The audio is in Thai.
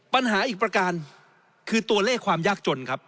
ปัญหาอีกประการคือตัวเลขความยากจนครับ